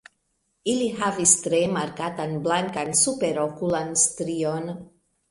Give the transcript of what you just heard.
Ili havas tre markatan blankan superokulan strion.